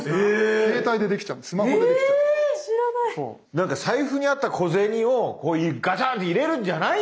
なんか財布にあった小銭をガチャンって入れるんじゃないんだ。